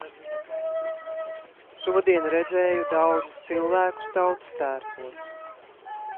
Šodien redzēju daudzus cilvēkus tautastērpos.